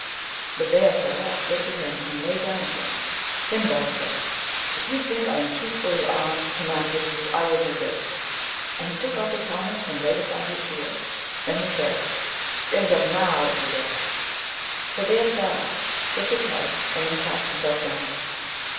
*" The bear sat up, looked at him, and lay down again. Finnbog said, * If you think that I am too fully armed to match with you, I will do this,' and he took off his helmet and laid aside his shield. Then he said, * Stand up now, if you dare !''* The bear sat up, shook his head, and then cast himself down again.